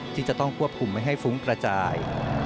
ที่จะต้องควบคุมไม่ให้ฟุ้งกระจาย